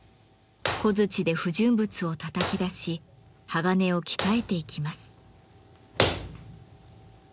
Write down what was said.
小づちで不純物をたたき出し鋼を鍛えていきます。